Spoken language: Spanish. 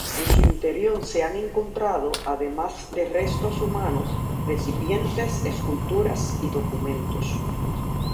En su interior se han encontrado, además de restos humanos, recipientes esculturas y documentos.